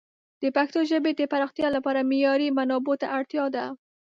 د پښتو ژبې د پراختیا لپاره معیاري منابعو ته اړتیا ده.